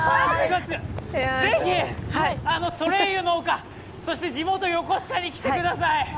ぜひ、ソレイユの丘、そして地元・横須賀に来てください。